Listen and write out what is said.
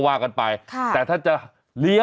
วันนี้จะเป็นวันนี้